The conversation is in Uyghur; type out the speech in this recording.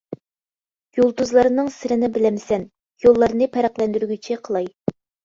-يۇلتۇزلارنىڭ سىرىنى بىلەمسەن؟ يوللارنى پەرقلەندۈرگۈچى قىلاي.